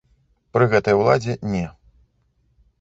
Пры гэтай уладзе, не.